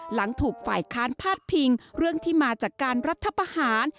หลังถูกฝ่ายค้านพาดพิงเรื่องที่มาจากการรัฐประหาร